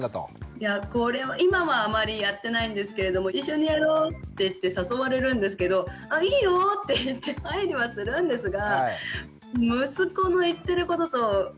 いやぁこれは今はあまりやってないんですけれども「一緒にやろう」っていって誘われるんですけど「あいいよ」って言って入りはするんですが。